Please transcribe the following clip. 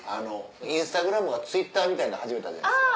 ＩｎｓｔａｇｒａｍがＴｗｉｔｔｅｒみたいなの始めたじゃないですか。